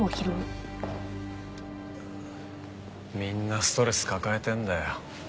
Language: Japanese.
みんなストレス抱えてんだよ。